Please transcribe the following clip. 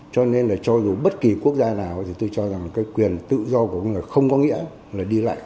cho nên là cho dù bất kỳ quốc gia nào thì tôi cho rằng cái quyền tự do của người không có nghĩa là đi lại